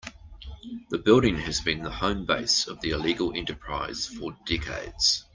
The building has been the home base of the illegal enterprise for decades.